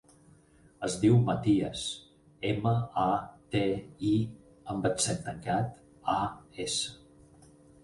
Es diu Matías: ema, a, te, i amb accent tancat, a, essa.